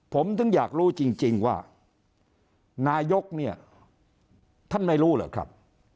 ผมถึงอยากรู้จริงว่านายกเนี่ยท่านไม่รู้เหรอครับ